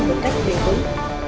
được cách đề hướng